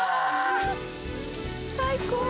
「最高！」